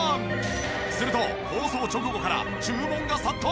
すると放送直後から注文が殺到！